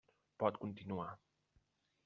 Pot continuar.